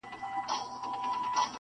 سحر وختي بۀ يى قرضداري دروازه وهله،